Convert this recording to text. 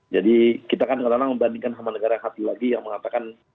jadi kita kan kadang kadang membandingkan sama negara yang hati lagi yang mengatakan